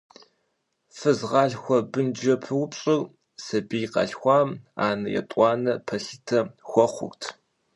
Фызгъалъхуэ–бынжэпыупщӏыр сабий къалъхуам анэ етӏуанэ пэлъытэ хуэхъурт.